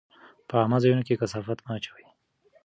په عامه ځایونو کې کثافات مه اچوئ.